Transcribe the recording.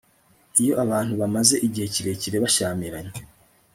iyo abantu bamaze igihe kirekira bashyamiranye